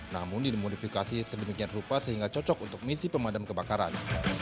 namun dimodifikasi sedemikian rupa sehingga cocok untuk misi pemadam kebakaran